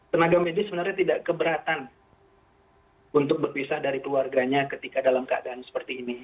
tenaga medis sebenarnya tidak keberatan untuk berpisah dari keluarganya ketika dalam keadaan seperti ini